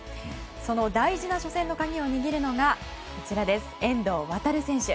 その大事な初戦の鍵を握るのが遠藤航選手。